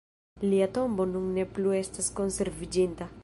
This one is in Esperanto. Lia tombo nun ne plu estas konserviĝinta.